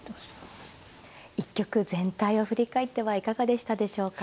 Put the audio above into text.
一局全体を振り返ってはいかがでしたでしょうか。